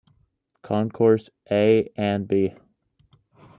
Concourse A and B.